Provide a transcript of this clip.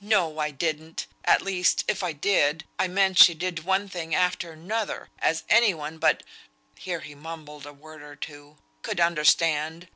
"No! I didn't! at least if I did, I meant she did one thing after another, as any one but" (here he mumbled a word or two) "could understand.